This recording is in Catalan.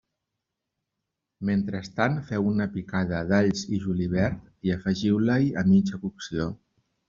Mentrestant feu una picada d'alls i julivert i afegiu-la-hi a mitja cocció.